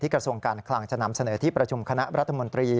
กระทรวงการคลังจะนำเสนอที่ประชุมคณะรัฐมนตรี